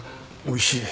おいしい。